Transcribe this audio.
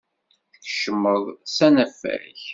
Tkeccmeḍ s anafag.